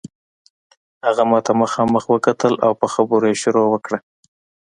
هغه ماته مخامخ وکتل او په خبرو یې شروع وکړه.